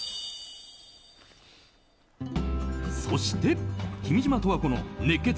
そして、君島十和子の熱血！